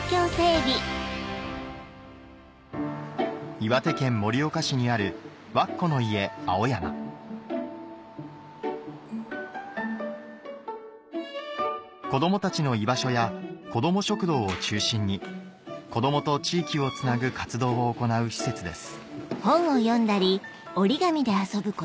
岩手県盛岡市にあるわっこの家青山子どもたちの居場所や子ども食堂を中心に子どもと地域をつなぐ活動を行う施設です